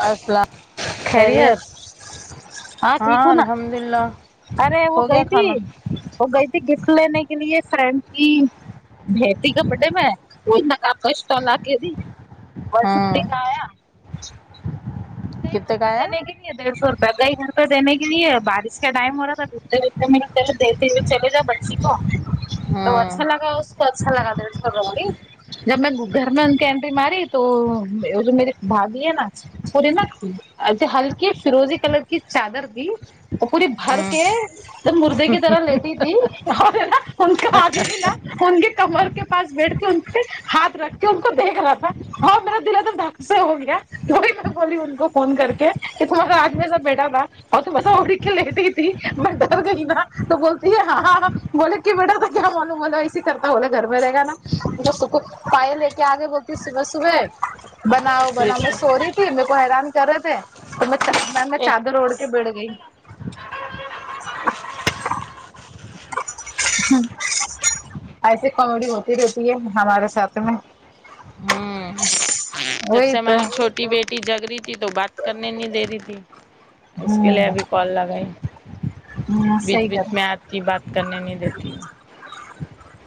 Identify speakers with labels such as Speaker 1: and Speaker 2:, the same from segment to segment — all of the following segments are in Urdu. Speaker 1: اسلام خیریت
Speaker 2: ہاں ٹھیک ہو نا
Speaker 1: الحمد للہ
Speaker 2: ارے وہ
Speaker 1: ہو گیا
Speaker 2: گئی تھی
Speaker 1: کھانا
Speaker 2: وہ گئی تھی گفٹ لینے کے لیے فرینڈ کی بیٹی کا بڈے میں واہی نا کچھ تو لا کے دی ون ففٹی
Speaker 1: ہاں
Speaker 2: کا آیا دی گھر
Speaker 1: کتنے کا
Speaker 2: پہ
Speaker 1: آیا
Speaker 2: جنے کہ [unintelligible] دیڑھ سو روپئے کا ہی دینے کےلی [unintelligible] ے بارش کا ٹم رہا تھا دتےتے منٹل دتے چلے جا تو
Speaker 1: ہاں
Speaker 2: اچھا لگا اس کو اچھا لگا دیڑھ سو کا وہ گفٹ جب میں گھر میں ان کی اینٹری ماری تو جو میری بھابی ہے نا پے نا ہلکی فیروزی کلر کی چادر دی وہ پوری بھر
Speaker 1: ہوں
Speaker 2: کے جب مردے کی طرح لیٹی تھی اور نا ان کے آدمی نا ان کے کمر کے پاس بیٹھ کے ان پہ ہاتھ رکھ کے ان کو دیکھ رہا تھا ہاں میرا دل اک دم دھک سے ہو گیا بولی ان کو فون کر کے کہ تمہا را آدمی ایسا بیٹھا تھا اور تم ایسا اڑھ کے لیٹی تھی میں ڈر گئی نا تو بولتی ہے ہاں ہاں ہاں بولے کہ بیٹا تو کیا معلوم بولا ایسی کرتا بولے گھر میں رہے گا نا پائے لے کے آگے بولتی صبح صبح بناؤ بناؤ میں سوری تھی میرے کو حیران کر رہے تھے تو میں چا میں چادر اوڑھ کے بیٹھ گئی ہوں ایسی کامیڈی ہوتی رہتی ہے ہمارے ساتھ میں
Speaker 1: ہوں جب
Speaker 2: وہی
Speaker 1: سے
Speaker 2: تو
Speaker 1: ہماری چھوٹی بیٹی جگ رہی تھی تو بات کرنے نہیں دے رہی تھی اس کے لیے
Speaker 2: ہوں
Speaker 1: ابھی کال لگای
Speaker 2: ہوں
Speaker 1: بیچ
Speaker 2: صحیح
Speaker 1: بیچ
Speaker 2: کر
Speaker 1: میں آتی بات کرنے نہیں دیتی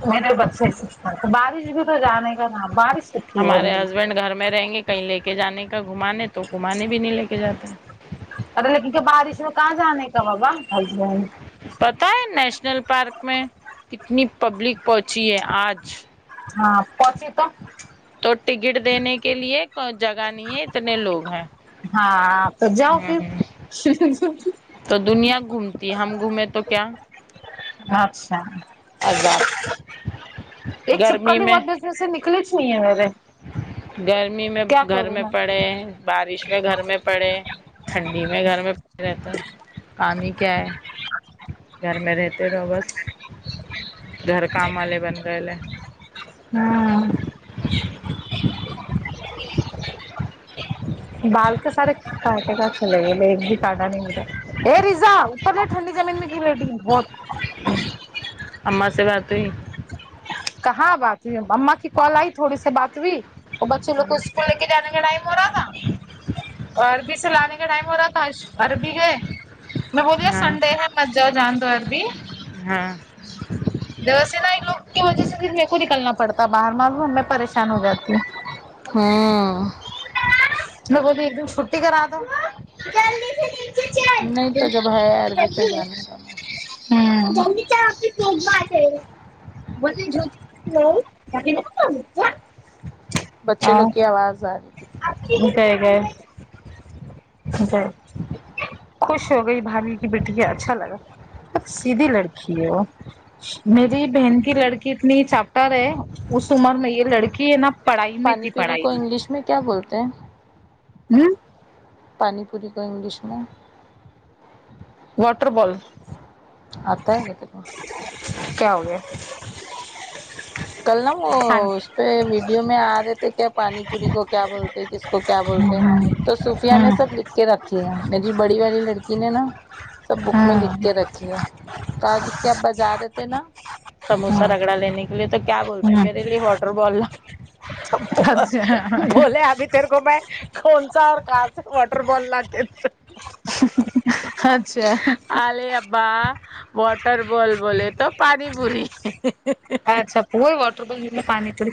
Speaker 2: میرے بچے ایسیچ کرتے بارش بھی تو جانے کا تھا بارش کتنی ہو
Speaker 1: ہمارے
Speaker 2: رہی ہے
Speaker 1: ہسبینڈ گھر میں رہیں گے کہیں لے کے جانے کا گھمانے تو گھمانے بھی نہیں لے کے جاتا
Speaker 2: ارے لیکن کیا بارش میں کہاں جانے کا بابا ہسبنڈ
Speaker 1: پتہ ہے نیشنل پارک میں کتنی پبلک پہنچی ہے آج
Speaker 2: ہاں پہنچی تو
Speaker 1: تو ٹکٹ دینے کے لیے کوئی جگہ نہیں ہے اتنے لوگ ہیں
Speaker 2: ہاں تو جاؤ پھر
Speaker 1: تو دنیا گھومتی ہے ہم گھومیں تو کیا
Speaker 2: اچھا
Speaker 1: عذاب
Speaker 2: ایک
Speaker 1: گرمی
Speaker 2: چھپکلی
Speaker 1: میں
Speaker 2: واش بیسن سے نکلیچ نہیں ہے میرے
Speaker 1: گرمی میں
Speaker 2: کیا
Speaker 1: گھر
Speaker 2: کروں
Speaker 1: میں پڑے بارش میں گھر میں پڑے ٹھنڈی میں گھر میں پڑے رہتا ہے کام ہی کیا ہے گھر میں رہتے رہو بس گھر کام والے بن گئے لے
Speaker 2: ہاں بال کے سارے کانٹے چلے گئے لے ایک بھی کاٹا نہیں ملرا اے ریزا اوپر دیکھ ٹھنڈی زمین میں کیو لیٹی ہے بہت
Speaker 1: اماں سے بات ہوئی
Speaker 2: کہاں بات ہوئی اماں کی کال آئی تھوڑی سی بات ہویی اوہ بچے لوگ کو اسکول لے کے جانے کا ٹائم ہو رہا نہ عربی سے لانے کا ٹائم ہو رہا تھا اج عربی گئے میں بوولیا
Speaker 1: ہاں
Speaker 2: سنڈے ہے مت جاؤ جان دو عربی
Speaker 1: ہاں
Speaker 2: دوسےین [unintelligible] ایکلو کی وجہ سے پھر میرے کو نکلنا پڑتا ہے باہر معلوم ہے میں پریشان ہو جاتی ہوں
Speaker 1: ہاں
Speaker 2: میں بولی ایک دن چھٹی کرا دو
Speaker 1: نہیں تو جب ہے عربی تو جانے کا
Speaker 2: [unintelligible] ہمم [unintelligible]
Speaker 1: بچے لوگ
Speaker 2: اور
Speaker 1: کی آواز آ رہی تھی
Speaker 2: گئے گئے گئے خوش ہو گئی بھابھی کی بیٹی اچھا لگا سیدھی لڑکی ہے وہ میری بہن کی لڑکی اتنی چاپٹر ہے اس عمر میں یہ لڑکی ہے نا پڑھائی میں
Speaker 1: پانی
Speaker 2: تھی
Speaker 1: پیری
Speaker 2: پڑھائی
Speaker 1: کو انگلش میں کیا بولتے ہیں
Speaker 2: ہوں
Speaker 1: پانی پوری کو انگلش میں
Speaker 2: واٹر بال
Speaker 1: آتا ہے [unintelligible]
Speaker 2: کیا ہو گیا
Speaker 1: کل نا وہ
Speaker 2: ہاں
Speaker 1: اس پہ ویڈیو میں آ رہے تھے کیا پانی پوری کو کیا بولتے کس کو کیا بولتے ہیں تو سوفیا نے
Speaker 2: ہاں
Speaker 1: سب لکھ کے رکھیا ہے میری بڑی والی لڑکی نے نا سب بک میں لکھ کے رکھیا تو آج اس کے ابا جا رہے تھے نا سموسہ
Speaker 2: ہاں
Speaker 1: رگڑا لینے کے لیے تو کیا بولتی میرے لیے واٹر بال لاؤ
Speaker 2: اچھا
Speaker 1: بولے ابھی تیرے کو میں کون سا اور کہاں سے واٹر بال لاکے دو
Speaker 2: اچھا
Speaker 1: آلے ابا واٹر بال بولے تو پانی پوری
Speaker 2: اچھا وہی واٹر بل میں پانی چوڑی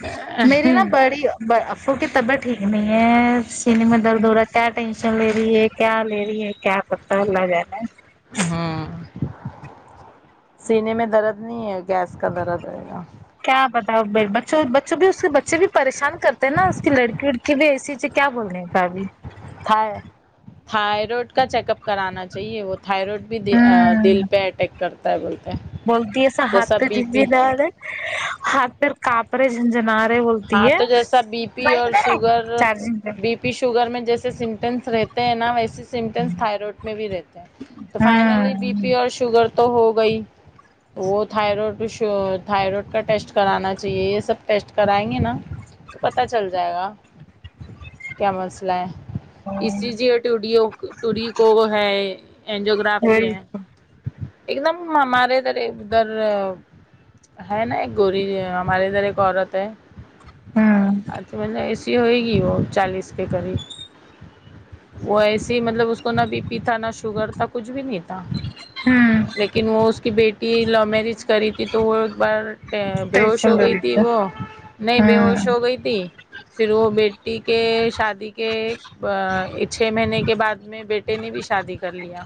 Speaker 2: میری نا بڑی با افو کی طبیعت ٹھیک نہیں ہے سینے میں درد ہو رہا ہے کیا ٹینشن لے رہی ہے کیا لے رہی ہے کیا [unintelligible]
Speaker 1: ہمم سینے میں درد نہیں ہے گیس کا درد ہے
Speaker 2: کیا پتا ہو ب بچ بچے بھی اس کے بچے بھی پریشان کرتے ہیں نا اس کی لڑکی کی بھی اے سی سے کیا بولنے کا ابھی
Speaker 1: تھائی تھائرائڈ کا چیک اپ کرانا چاہیے وہ تھائرائڈ بھی
Speaker 2: ہوں
Speaker 1: دل پہ اٹیک کرتا ہے بولتے
Speaker 2: بولتی ایسا ہاتھ
Speaker 1: جیسا
Speaker 2: پیر
Speaker 1: بی پی
Speaker 2: جھنجنار ہاتھ پیر کانپرے جھنجنارے بولتی
Speaker 1: ہاں
Speaker 2: ہے
Speaker 1: تو جیسا بی پی
Speaker 2: بھائی
Speaker 1: اور
Speaker 2: کدھر ہے
Speaker 1: شوگر
Speaker 2: چارجنگ پہ
Speaker 1: بی پی شوگر میں جیسے سمٹمس رہتے ہیں نا ویسے سمٹمس تھائرائڈ میں بھی رہتے ہیں تو فائنلی بی
Speaker 2: ہمم
Speaker 1: پی اور شوگر تو ہو گئی وہ تھائرائڈ بئی شا تھائرائڈ کا ٹیسٹ کرانا چاہیے یہ سب ٹیسٹ کرائیں گے نا تو پت چل جائے گا کیا مسئلہ ہے ای سی جی ٹوڈی او ٹوڈکو کو ہے اینجیو گرافی
Speaker 2: وہی
Speaker 1: ہے ایک دم ہمارے ادھر ادھر ہے نا ایک گوری ہمارے ادھر ایک عورت ہے
Speaker 2: ہمم
Speaker 1: ای ہوئے گی وہ چالیس کے قریب وہ ایسی مطلب اس کو نہ بی پی تھا نہ شوگر تھا کچھ بھی نہیں تھا
Speaker 2: ہوں
Speaker 1: لیکن وہ اس کی بیٹی لو میرج کری تھی تو وہ ایک بار بے ہوش
Speaker 2: ٹینشن
Speaker 1: ہو
Speaker 2: لے
Speaker 1: گئی تھ
Speaker 2: رہی
Speaker 1: تھی وہ نہیں بے ہوش
Speaker 2: ہمم
Speaker 1: ہو گئی تھی پھر وہ بیٹی کے شادی کے چھ مہینے کے بعد میں بیٹے نے بھی شادی کر لیا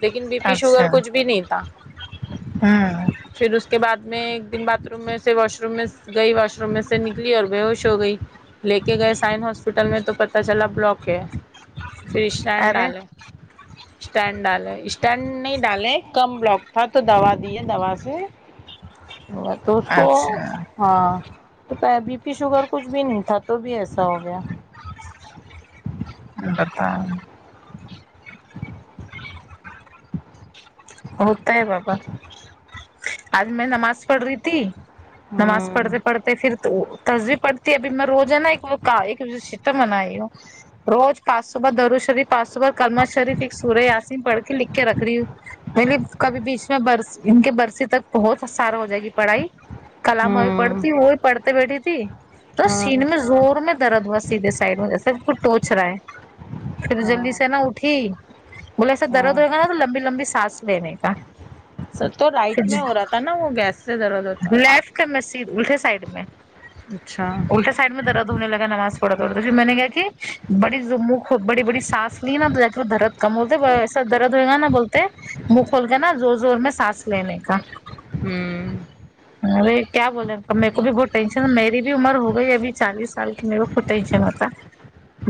Speaker 1: لیکن بی پی شوگر
Speaker 2: اچھا
Speaker 1: کچھ بھی نہیں تھا
Speaker 2: ہمم
Speaker 1: پھر اس کے بعد میں ایک دن باتھ روم میں سے واش رو واش روم میں گئی واش روم میں سے نکلی اور بے ہوش ہو گئی لے کے گئے سائن ہاسپٹل میں تو پتہ چلا بلاک ہے پھر اسٹینڈ
Speaker 2: ارے
Speaker 1: ڈالے [inaudible] اسٹینڈ ڈالے اسٹینڈ نہیں ڈالے کم بلاک تھا تو دوا دیے دوا سے بہت تو اس کو
Speaker 2: اچھا
Speaker 1: ہاں تو بی پی شوگر کچھ بھی نہیں تھا تو بھی ایسا ہو گیا
Speaker 2: بتہ نہیں ہوتا ہے بابا آج میں نماز پڑھ رہی تھی نماز
Speaker 1: ہوں
Speaker 2: پڑھتے پڑھتے پھر تصوی پڑتی ہے ابھی میں روزان نا ایک وہ سٹم بنئی ہوں روز پانچ سو بار درو شریف پانچ سو بار کلمہ شریف ایک سورہ یاسین پڑھ کے لکھ کے رکھری نہیںں کبھی بیچ میں بر ان کے برسی تک بہت سارا ہو جائے گی پڑھائی کلام ابھی
Speaker 1: ہوں
Speaker 2: پڑھتی وہ بھی پڑتے بیٹھی تھی تو
Speaker 1: ہاں
Speaker 2: سین میں زور میں درد وی سائڈ میں جسے ٹچ رہا ہے پھر جلدی
Speaker 1: ہاں
Speaker 2: سے نا اٹھی بولا ایسے درد
Speaker 1: ہاں
Speaker 2: ہرا نا لمبی لمبی سانس لینے کا
Speaker 1: سر تو
Speaker 2: پھر
Speaker 1: رائٹ میں ہو رہا تھا نا وہ گیس سے درد ہوتا ہے
Speaker 2: لیفٹ میں سے الٹے سائڈ میں
Speaker 1: اچھا
Speaker 2: الٹا سائڈ میں درد ہونے لگا نماز پڑتے پڑتے پھر میں نے کیا کی بڑی جو منہ کھو بڑی بڑی سانس لی نا تو جا کے وہ درد کم بولتے ایسا درد ہوئے گا نا بولتے منہ کھول کے نا زور زور میں سانس لینے کا
Speaker 1: ہمم
Speaker 2: ارے کیا بولے میرے کو بھی بہت ٹینشن مری بھی عمر ہو گئی ابھی چالیس سال کی میرے کو ٹینشن ہوتا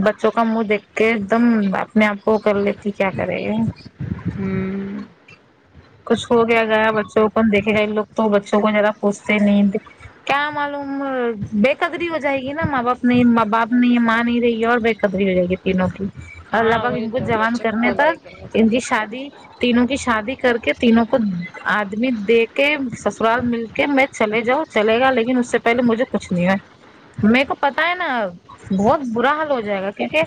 Speaker 2: بچوں کا منہ دیکھ کے ایک دم اپنے آپ کو کر لیتی کیا کرے
Speaker 1: ہوں
Speaker 2: کچھ ہو گیا گیا بچوں کو کون دیکھے گا نہیں یے لوگ تو بچوں کو زیادہ پوچھتے نہیں کیا معلوم بے قدری ہو جائے گی نا ماں باپ نہیں باپ نہیں ماں نہیں رہی ہے اور بے ختری رہے جائے گی تینوں کی اور لگ
Speaker 1: ہاں
Speaker 2: بھگ
Speaker 1: وہی
Speaker 2: ان کو
Speaker 1: تو
Speaker 2: جوان
Speaker 1: بچوں کو
Speaker 2: کرنے
Speaker 1: کون دیکھیں
Speaker 2: تک
Speaker 1: گے
Speaker 2: ان کی شادی تینوں کی شادی کر کے تینوں کو آدمی دے کے سسرال مل کے میں چلے جاؤ چلے گا لیکن اس سے پہلے مجھے کچھ نہیں ہوے مکو پتا ہے نا بہت برا حال ہو جائے گا کیونکہ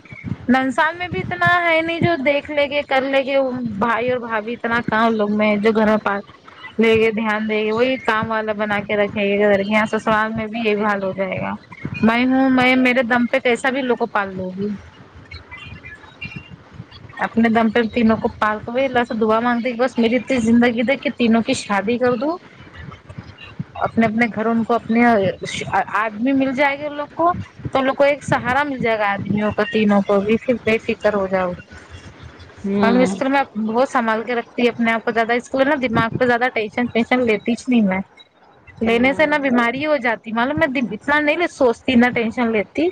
Speaker 2: ننسا میں بھی اتنا ہے نہیں جو دیکھ لیں گے کر لیں گے بھائی اور بھابھی اتنا کام لوگ میں جو گھروں پاس لے کے دھیان دگے وہی کام والا بنا کے رکھیں گے گھر یہاں سسرال میں بھی یہی حال ہو جائے گا میں ہوں میں میرے دم پے کییسا بھی لوگ کو پال لو گی اپنے دم پے تینوں کو پال کے وہی اللہ سے دعا مانگتی کی بس میری اتنی زندگی دے کے تینوں کی شادی کر دوں
Speaker 1: [unintelligible]
Speaker 2: اپنے اپنے گھر ان کو اپنے آدمی مل جائے گے ان لوگ کو تو ان لوگ کو ایک سہارا مل جائے گا آدمیوں کو تینوں کو بھی پھر بے فکر ہو جاؤ گی
Speaker 1: پھر
Speaker 2: [unintelligible]
Speaker 1: ہوں
Speaker 2: بہت سنبھال کے رکھتی ہے اپنے آپ کو زیادہ اسکو ہے نہ دماغ پے زیادہ ٹینشن ینشن لیتی ہی نہیں میں لینے سے
Speaker 1: ہوں
Speaker 2: نا بیماری ہو جاتی معلوم میں اتنا نہیں سوچتی نہ ٹینشن لیتی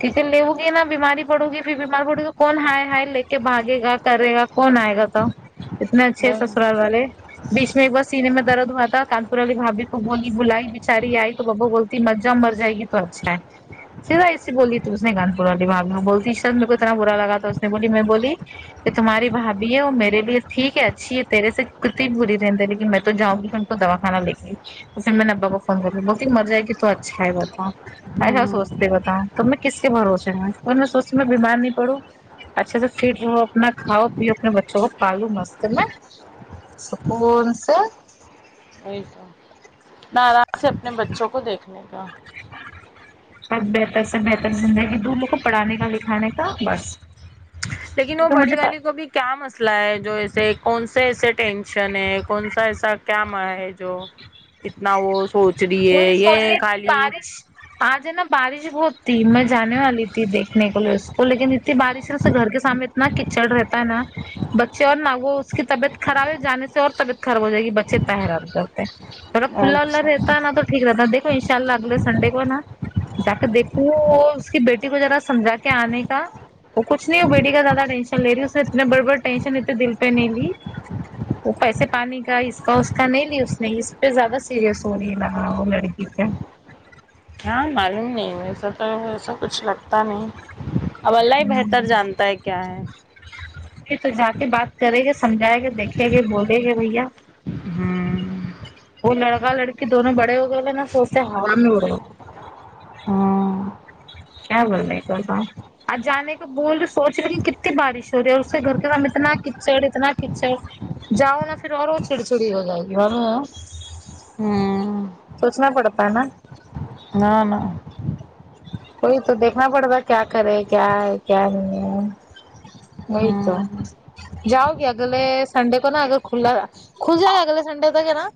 Speaker 2: ٹھیک ہے لو گی نا بیماری پڑے گی پھر بیمار پڑے گی کون ہائے ہائے لے کے باگے گا کرے گا کون آئے گا تو اتنے اچھے سسرال والے بیچ میں ایک بار سینے میں درد ہوا تھا کانور والی بھابھی کو بولی بلائی بچاری آئی تو بابا بول تی مر جا مر جائے گی تو اچھا ہے سیدھا ایسے بولی تو اس نے [unintelligible] میرے کو اتنا برا لا گا اس نے بولی میں بولی کہ تمہاری بھابھی ہے وہ میرے لیے ٹھیک ہے اچھی ہے تیرے سے کتی بری رہ دے لیکن میں تو جاؤں گی دوا خانا لے کے ائی تو پھر میں نے ابا کو فون کرا بولتی مر جائے گی تو اچھا ہے بتا ایسا سوچتے بتاؤ تو میں کس کے بھروسے رہو اور میں سوچتی میں بیمار نہیں پڑوں اچھا سے فٹ رہو اپنا کھاؤ پیو اپنے بچوں کو پالو مست نہ سکون سے
Speaker 1: وہی تو بس آرام سے اپنے بچوں کو دیکھنے کا
Speaker 2: سب بہتر سے بہتر زندگی دو ان لوگ کو پڑھانے کا لکھانے کا بس
Speaker 1: لیکن وہ
Speaker 2: کیونکہ
Speaker 1: بڑی
Speaker 2: مجھے
Speaker 1: والی کو بھی کیا مسئلہ ہے جو ایسے کون سے ایسے ٹینشن ہے کون سا ایسا کیا ما ہے جو اتنا وہ سوچ رہی
Speaker 2: وہی
Speaker 1: ہے
Speaker 2: سوچ
Speaker 1: یے
Speaker 2: رہی تھی
Speaker 1: خالی
Speaker 2: بارش آج ہے نا بارش بہت تھی میں جانے والی تھی دیکھنے کے لیے اس کو لیکن اتنی بارش ہے اس سے گھر کے سامنے اتنا کچڑ رہتا ہے نا بچے اور نہ وہ اس کی طبیعت خراب ہے جانے سے اور طبیعت خراب ہو جائے گی بچے اتنا حیران تھوڑا کھلا ولا
Speaker 1: اچھا
Speaker 2: رہتا ہے نا تو ٹھیک رہتا ہے دھو ان شاء اللہ اگلے سنڈے کو ہے نا جا کے دیکھوں اس کی بیٹی کو ذرا سمجھا کے آنے کا وہ کچھ نہیں ہے وہ بیٹی کا زیادہ ٹینش لے رہی اس نے اتنے بڑے بڑے ٹینشن اتنے دل پے نہیں لی وہ پیسے پانی کا اس کا اس کا نہیں لی اس نے اس پے زیادہ سیریس [unintelligible] لڑکی پے
Speaker 1: کیا معلوم نہیں ویسا تو ویسا کچھ لگتا نہیں اب اللہ بہتر جانتا ہے کیا ہے
Speaker 2: پھر تو جا کے بات کریں گے سمجھائےیں گے دیکھیں گے بولیں گے بھیا
Speaker 1: ہمم
Speaker 2: وہ لڑکا لڑکی دونوں بڑے ہو گئےے نا سوچتے ہال میں اڑے
Speaker 1: ہاں
Speaker 2: کیا بول [unintelligible] آج جانے کے بول رہی سوچ رہی کتنی بارش ہو رہی ہے اور اس کے گھر کے سام اتنا کچڑ اتنا کچڑ جاؤ نا پھر اور وہ چڑ چڑی ہو جائے گی [unintelligible]
Speaker 1: ہوں
Speaker 2: سوچنا پڑتا ہے نا
Speaker 1: نہ نہ
Speaker 2: کوئی تو دیکھنا پڑتا کیا کرے کیا ہے کیا نہیں ہے وہی تو
Speaker 1: ہوں
Speaker 2: جاؤ گی اگلے سنڈے کو نا اگر کھلا رہا کھل جائے گا اگے سنڈے تک ہے نا